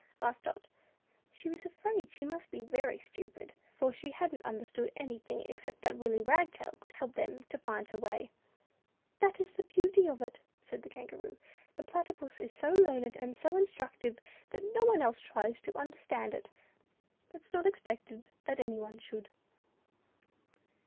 asked Dot. She was afraid she must be very stupid, for she hadn't understood anything except that Willy Wagtail could help them to find her way. "That is the beauty of it all," said the Kangaroo, "the Platypus is so learned and so instructive, that no one tries to understand it; it is not expected that anyone should."